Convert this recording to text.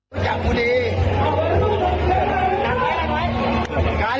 รู้จักกูดี